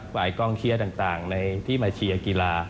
กองเชียร์ต่างที่มาเชียร์กีฬา